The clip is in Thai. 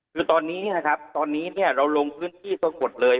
คือตอนนี้นะครับตอนนี้เราลงพื้นที่ปรากฏเลย